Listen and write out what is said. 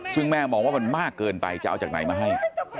ซึ่งแม่มองว่ามันมากเกินไปจะเอาจากไหนมาให้